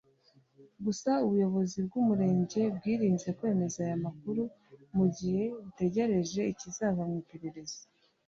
gusa ubuyobozi bw’Umurenge bwirinze kwemeza aya makuru mu gihe bugitegerje ikizava mu iperereza